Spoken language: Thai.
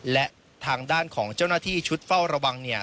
และทางด้านของเจ้าหน้าที่ชุดเฝ้าระวังเนี่ย